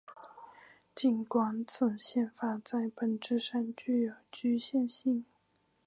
尽管此宪法在本质上具有局限性。